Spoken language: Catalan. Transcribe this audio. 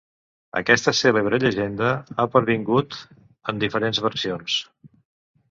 Aquesta cèlebre llegenda ha pervingut en diferents versions.